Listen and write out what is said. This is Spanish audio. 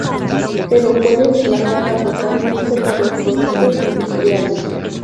Pero fue desplazada totalmente por los productos industriales.